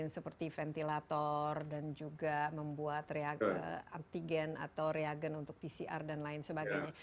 seperti ventilator dan juga membuat reagen atau reagen untuk pcr dan lain sebagainya